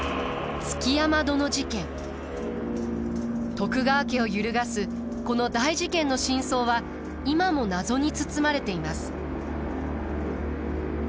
徳川家を揺るがすこの大事件の真相は今も謎に包まれています。